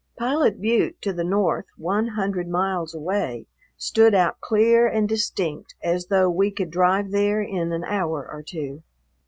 Pilot Butte to the north, one hundred miles away, stood out clear and distinct as though we could drive there in an hour or two.